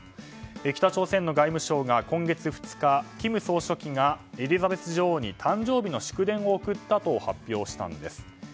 北朝鮮の外務省が今月２日金総書記がエリザベス女王に誕生日の祝電を送ったと発表したんです。